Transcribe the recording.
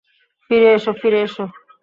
ফিরে এসো, ফিরে এসো।